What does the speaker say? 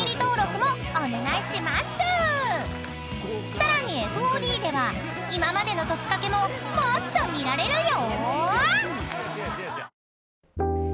［さらにＦＯＤでは今までの『トキカケ』ももっと見られるよ！］